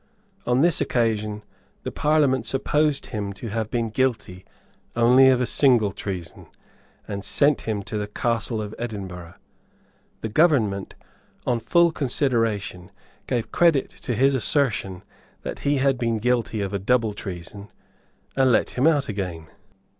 On this occasion the Parliament supposed him to have been guilty only of a single treason, and sent him to the Castle of Edinburgh. The government, on full consideration, gave credit to his assertion that he had been guilty of a double treason, and let him out again.